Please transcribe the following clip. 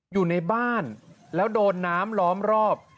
อยู่ในบ้านแล้วโดนน้ำล้อมรอบ